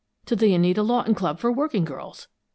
To the Anita Lawton Club for Working Girls!